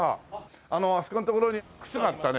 あのあそこの所に靴があったね。